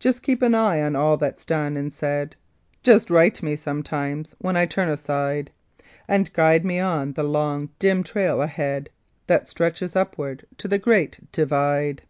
Just keep an eye on all that's done and said, Just right me sometimes when I turn aside, And guide me on the long, dim trail ahead That stretches upward to the Great Divide.